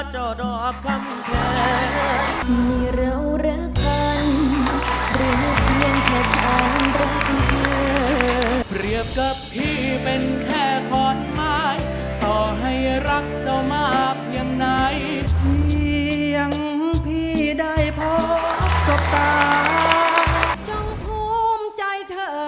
จ่ายเธอที่เกิดใจ